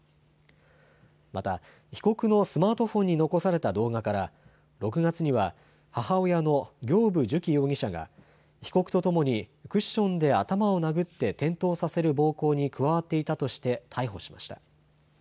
また被告のスマートフォンに残された動画から６月には母親の行歩寿希容疑者が被告とともにクッションで頭を殴って転倒させる暴行に加わっていたとして逮捕しました。